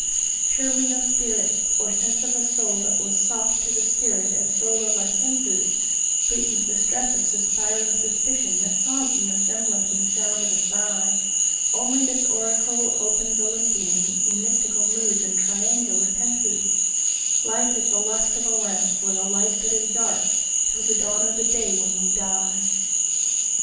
Surely no spirit or sense of a soul that was soft to the spirit and soul of our senses Sweetens the stress of suspiring suspicion that sobs in the semblance and sound of a sigh; Only this oracle opens Olympian, in mystical moods and triangular tenses "Life is the lust of a lamp for the light that is dark till the dawn of the day when we die."